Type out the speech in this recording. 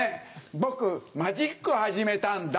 僕マジック始めたんだ。